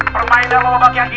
permainan lomba bakia ini